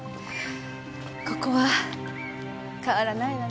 ここは変わらないわね。